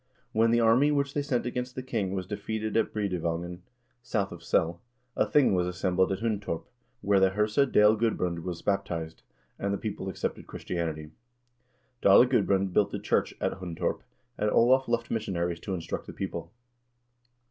When the army which they sent against the king was defeated at Breidevangen, south of Sell, a thing was assembled at Hundtorp, where the herse Dale Gudbrand was baptized, and the people accepted Christianity. Dale Gudbrand built a church at Hundtorp, and Olav left missionaries to instruct the people.